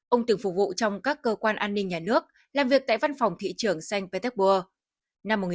ông từng phục vụ trong các cơ quan an ninh nhà nước làm việc tại văn phòng thị trường sanh petersburg